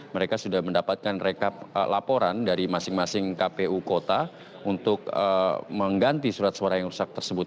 mereka sudah mendapatkan rekap laporan dari masing masing kpu kota untuk mengganti surat suara yang rusak tersebut